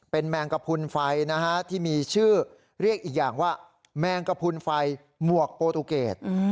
เป็นแมงกระพุนไฟนะฮะที่มีชื่อเรียกอีกอย่างว่าแมงกระพุนไฟหมวกโปรตูเกต